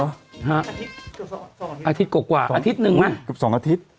อาทิตย์อาทิตย์กว่าอาทิตย์หนึ่งไหมกลับสองอาทิตย์